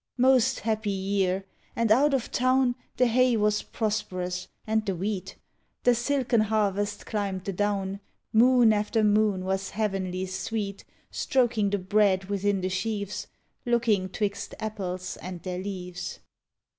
Most happy year! And out of town The hay was prosperous, and the wheat; The silken harvest climbed the down; Moon after moon was heavenly sweet Stroking the bread within the sheaves, Looking twixt apples and their leaves.